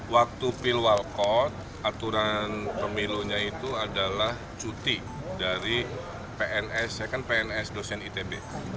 waktu pilwalkot aturan pemilunya itu adalah cuti dari pns saya kan pns dosen itb